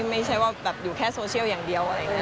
ไม่ใช่ว่าอยู่แค่โซเชียลอย่างเดียว